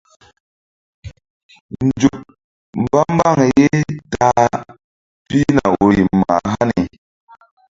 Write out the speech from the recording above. Nzuk mba mbaŋ ye ta a pihna woyri mah hani.